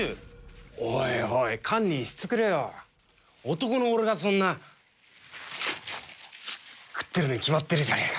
男の俺がそんな食ってるに決まってるじゃねえか。